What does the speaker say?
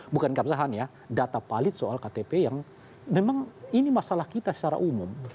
bukan keabsahan ya data palit soal ktp yang memang ini masalah kita secara umum